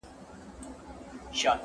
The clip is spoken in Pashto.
تا هم لوښی د روغن دی چپه کړی؟-